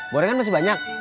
gorengan masih banyak